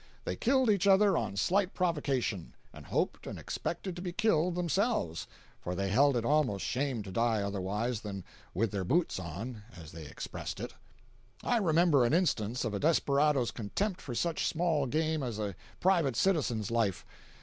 They killed each other on slight provocation, and hoped and expected to be killed themselves—for they held it almost shame to die otherwise than "with their boots on," as they expressed it. I remember an instance of a desperado's contempt for such small game as a private citizen's life.